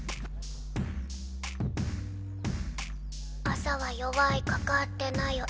朝は弱いかかってないよ